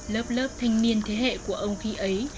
lớp lớp thanh niên thế hệ của ông khi ấy